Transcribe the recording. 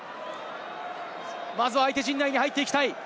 まず相手陣内に入っていきたい。